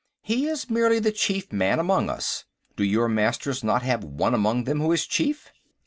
He is merely the chief man among us. Do your Masters not have one among them who is chief?"